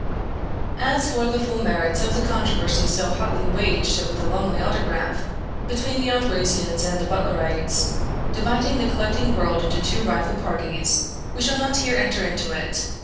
As for the full merits of the controversy so hotly waged over the Lumley autograph between the Otwaysians and the Butlerites, dividing the collecting world into two rival parties, we shall not here enter into it.